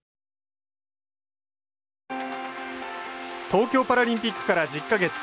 東京パラリンピックから１０か月。